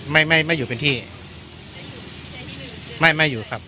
ไม่ไม่อยู่เป็นที่ไม่ไม่อยู่ครับ